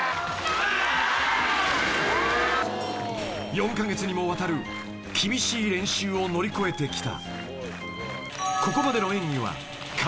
［４カ月にもわたる厳しい練習を乗り越えてきた］